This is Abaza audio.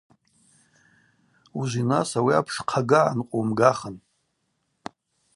Ужвинас ауи апш хъагагӏа нкъвуымгахын.